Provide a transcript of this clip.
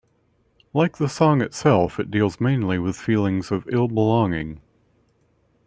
Like the song itself, it deals mainly with feelings of ill-belonging.